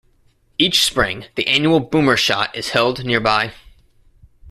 Each spring, the annual Boomershoot is held nearby.